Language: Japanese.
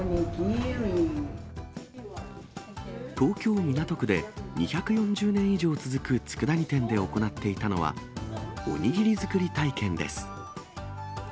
東京・港区で、２４０年以上続くつくだ煮店で行っていたのは、お握り作り体験です。